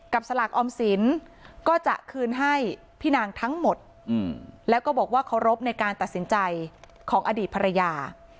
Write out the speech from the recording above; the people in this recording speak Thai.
สลากออมสินก็จะคืนให้พี่นางทั้งหมดแล้วก็บอกว่าเคารพในการตัดสินใจของอดีตภรรยา